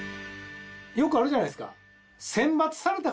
よくあるじゃないですか。